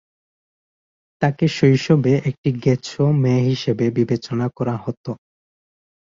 তাকে শৈশব এ একটি গেছো মেয়ে হিসেবে বিবেচনা করা হত।